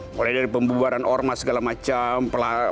mulai dari pembubaran ormas segala macam